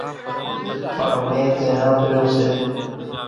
پڻ مين زين ۿانڀريون سي